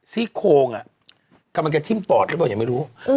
ซี่โครงกำลังจะทิ้มปอดหรือเปล่ายังไม่รู้